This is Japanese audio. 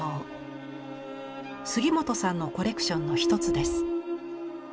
杉本さんのコレクションの一つです。